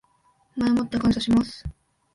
前もって感謝します